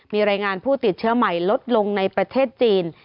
มีรายงานผู้ติดเชื้อใหม่ลดลงในประเทศจีน